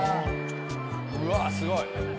うわすごい！